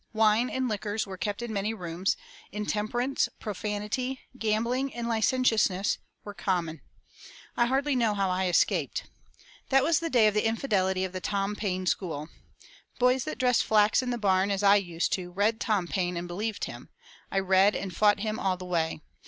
Wine and liquors were kept in many rooms; intemperance, profanity, gambling, and licentiousness were common. I hardly know how I escaped.... That was the day of the infidelity of the Tom Paine school. Boys that dressed flax in the barn, as I used to, read Tom Paine and believed him; I read and fought him all the way.